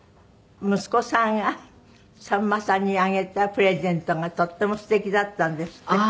息子さんがさんまさんにあげたプレゼントがとっても素敵だったんですって？